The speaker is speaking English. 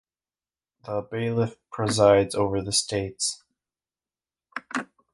The Bailiff presides over the States.